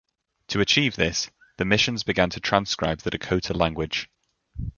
To achieve this, the missions began to transcribe the Dakota language.